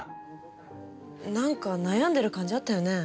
なんか悩んでる感じあったよね。